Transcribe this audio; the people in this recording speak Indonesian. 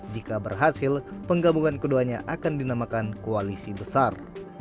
jika berhasil penggabungan keduanya akan dinamakan koalisi besar